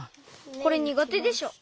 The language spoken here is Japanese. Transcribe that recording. これにがてでしょ。